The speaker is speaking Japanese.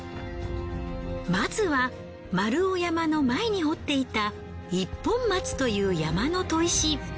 まずは丸尾山の前に掘っていた一本松という山の砥石。